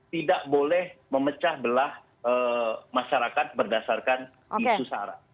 tidak boleh memecah belah masyarakat berdasarkan isu sara